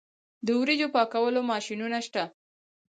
د وریجو پاکولو ماشینونه شته